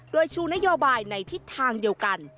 โดยชูนโยบายในทิศทางเดียวกัน